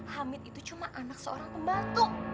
hamid itu cuma anak seorang pembantu